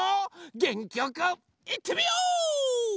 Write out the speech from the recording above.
げんきよくいってみよう！